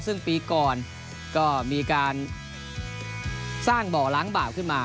ซึ่งปีก่อนก็มีการสร้างบ่อล้างบาปขึ้นมา